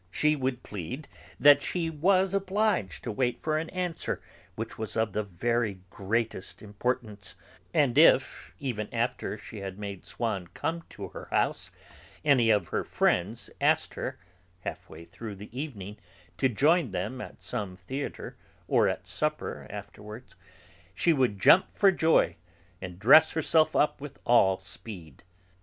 She would plead that she was obliged to wait for an answer which was of the very greatest importance, and if, even after she had made Swann come to her house, any of her friends asked her, half way through the evening, to join them at some theatre, or at supper afterwards, she would jump for joy and dress herself with all speed.